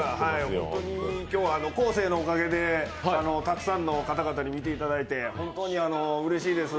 今日は昴生のおかげでたくさんの方々に見ていただいて本当にうれしいです。